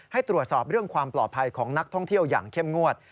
ให้ตรวจสอบเรื่องความปลอดภัยของนักท่องเที่ยวอย่างเข้มงวด